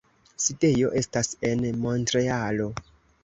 Sidejo estas en Montrealo.